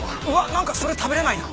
なんかそれ食べられないな。